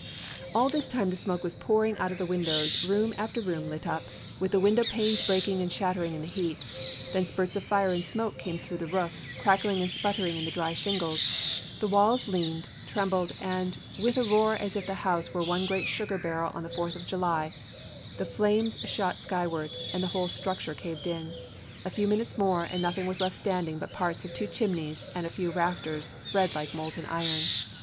All this time the smoke was pouring out of the windows ; room after room lit up, with the window panes breaking and shattering in the heat; then spurts of fire and smoke came through the roof, crackling and sputtering in the dry shingles; the walls leaned, trembled, and, with a roar as if the house were one great sugar barrel on the Fourth of July, the flames shot skyward, and the whole structure caved in. A few minutes more, and nothing was left standing but parts of two chimneys and a few rafters, red like molten iron.